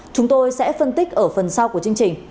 chúng tôi sẽ phân tích ở phần sau của chương trình